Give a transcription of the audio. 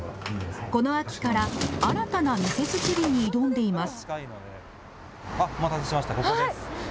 この秋から新たな店作りに挑んでいます。